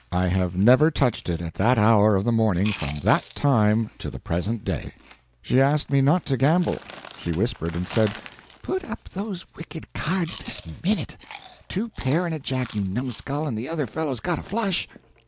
I have never touched it at that hour of the morning from that time to the present day. She asked me not to gamble. She whispered and said, "Put up those wicked cards this minute! two pair and a jack, you numskull, and the other fellow's got a flush!"